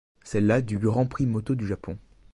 C'est la du Grand Prix moto du Japon.